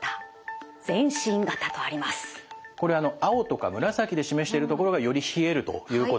これ青とか紫で示してる所がより冷えるということ。